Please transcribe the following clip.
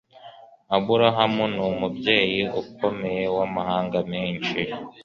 abrahamu ni umubyeyi ukomeye w'amahanga menshi